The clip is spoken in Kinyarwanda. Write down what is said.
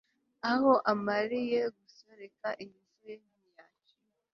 aho amariye gusoreka ingeso ye ntiyacika